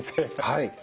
はい。